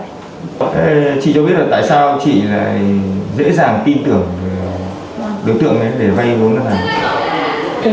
chị cho biết là tại sao chị lại dễ dàng tin tưởng